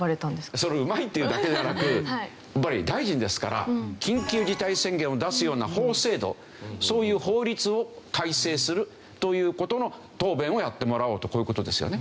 そのうまいっていうだけではなくやっぱり大臣ですから緊急事態宣言を出すような法制度そういう法律を改正するという事の答弁をやってもらおうとこういう事ですよね。